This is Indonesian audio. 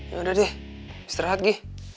yaudah deh istirahat gi